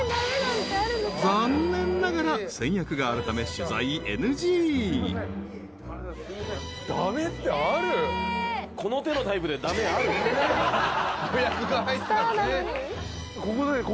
［残念ながら先約があるため取材ＮＧ］予約が入ってたの。